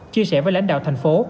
chia sẻ với lãnh đạo thành phố